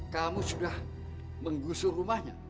kamu sudah menggusur rumahnya